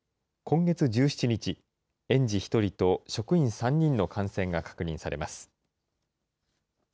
今月１７日、園児１人と職員３人の感染が確認されます。